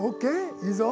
いいぞ！